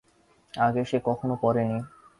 আগে সে কখনো পরে নি।